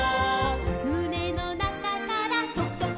「むねのなかからとくとくとく」